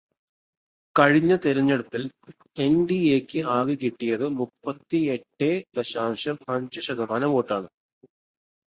കഴിഞ്ഞ തിരഞ്ഞെടുപ്പിൽ എൻ.ഡി.എയ്ക്ക് ആകെ കിട്ടിയത് മുപ്പത്തിയെട്ടെ ദശാംശം അഞ്ച് ശതമാനം വോട്ടാണ്.